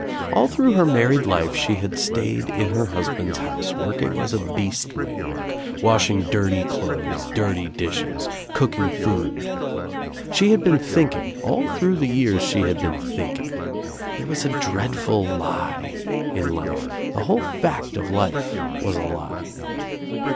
All through her married life she had stayed in her hus band's house, working as a beast might work, washing dirty clothes, dirty dishes, cooking food. She had been thinking, all through the years she <^yi^j had been thinking. There was a dreadful lie in Ufe, the whole fact of life was a lie.